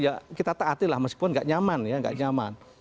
ya kita taati lah meskipun nggak nyaman ya nggak nyaman